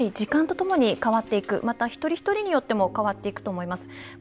時間と共に変わっていく一人一人によっても変わっていくと思います。